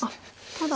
ただ。